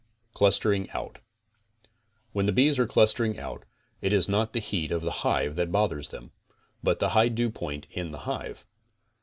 CLUSTERING OUT When the bees are clustering out, it is not the heat of the hive that bothers them, but the high dewpoint in the hive.